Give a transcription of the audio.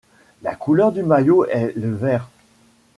La couleur du maillot est le vert.